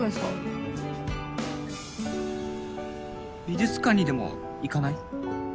美術館にでも行かない？